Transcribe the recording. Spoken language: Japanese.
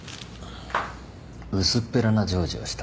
薄っぺらな情事をした。